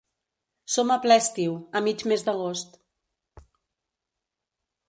Som a ple estiu, a mig mes d'agost.